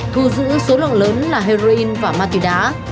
thu giữ số lượng lớn là heroin và ma túy đá